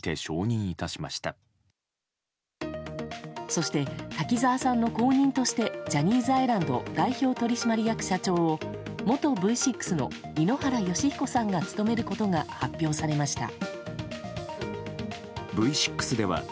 そして滝沢さんの後任としてジャニーズアイランド代表取締役社長を元Ｖ６の井ノ原快彦さんが務めることが発表されました。